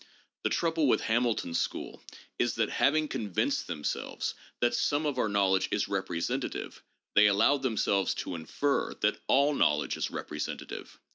The trouble with Hamilton's school is that, having convinced themselves that some of our knowledge is representative, they allowed themselves to infer that all knowledge is representative.